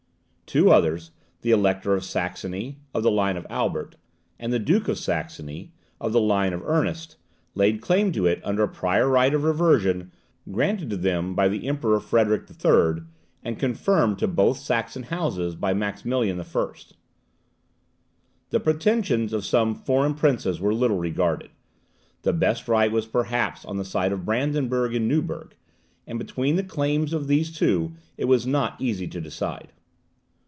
Two others, the Elector of Saxony, of the line of Albert, and the Duke of Saxony, of the line of Ernest, laid claim to it under a prior right of reversion granted to them by the Emperor Frederick III., and confirmed to both Saxon houses by Maximilian I. The pretensions of some foreign princes were little regarded. The best right was perhaps on the side of Brandenburg and Neuburg, and between the claims of these two it was not easy to decide.